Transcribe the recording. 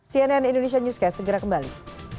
cnn indonesia newscast segera kembali